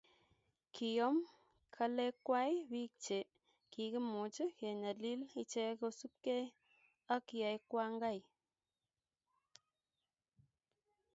Kiom ngalekwai bik che kikimuch kenyalil ichek kosubkei ak yaekwangai.